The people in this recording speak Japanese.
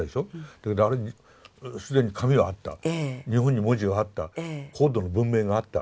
だけどあれ既に紙はあった日本に文字はあった高度の文明があった。